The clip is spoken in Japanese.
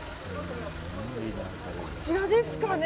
こちらですかね。